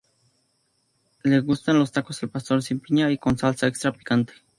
Le gustan los tacos al pastor sin piña y con salsa extra picante.